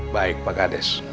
baik pak kades